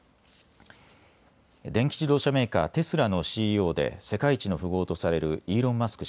電気自動車メーカー、テスラのＣＥＯで世界一の富豪とされるイーロン・マスク